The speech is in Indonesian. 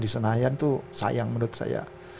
di senayan itu sayang menurut saya